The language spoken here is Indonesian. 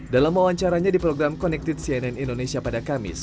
dalam wawancaranya di program connected cnn indonesia pada kamis